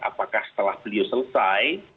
apakah setelah beliau selesai